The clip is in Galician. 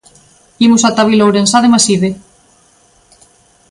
Imos ata a vila ourensá de Maside.